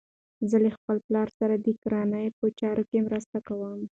زه له خپل پلار سره د کرنې په چارو کې مرسته کوم.